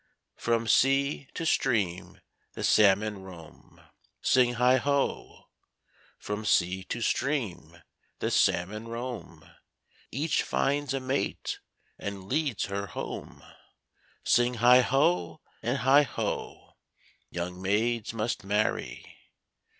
From sea to stream the salmon roam; Sing heigh ho! From sea to stream the salmon roam; Each finds a mate, and leads her home; Sing heigh ho, and heigh ho! Young maids must marry.